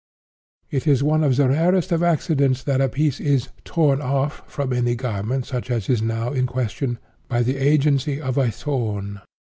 It is one of the rarest of accidents that a piece is 'torn off,' from any garment such as is now in question, by the agency of a thorn.